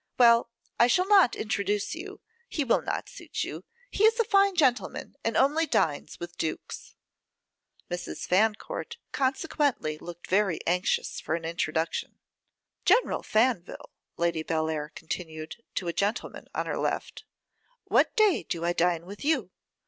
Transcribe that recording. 'Well, I shall not introduce you; he will not suit you; he is a fine gentleman, and only dines, with dukes.' Mrs. Fancourt consequently looked very anxious for an introduction. 'General Faneville,' Lady Bellair continued, to a gentleman on her left, 'what day do I dine with you?